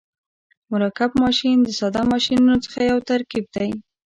مرکب ماشین د ساده ماشینونو څخه یو ترکیب دی.